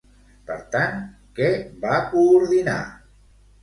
Per tant, què va coordinar?